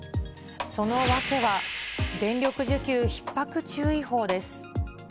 その訳は、電力需給ひっ迫注意報です。